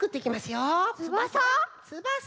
つばさ？